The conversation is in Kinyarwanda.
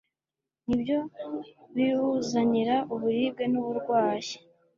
ni byo biwuzanira uburibwe n’uburwayi.